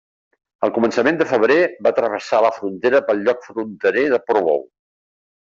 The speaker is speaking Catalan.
Al començament de febrer va travessar la frontera pel lloc fronterer de Portbou.